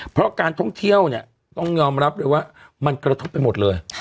เพราะการท่องเที่ยวเนี่ยต้องยอมรับเลยว่ามันกระทบไปหมดเลย